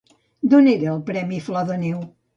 D'on era el premi Flor de Neu?